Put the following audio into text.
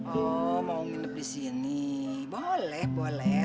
oh mau nginep di sini boleh boleh